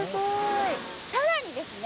さらにですね